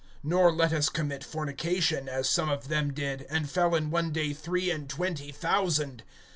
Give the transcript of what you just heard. (8)Nor let us commit fornication, as some of them did, and fell in one day three and twenty thousand.